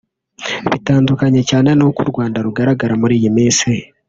bitandukanye cyane n’uko u Rwanda rugaragara muri iyi minsi